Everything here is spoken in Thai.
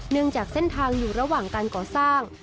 จากเส้นทางอยู่ระหว่างการก่อสร้าง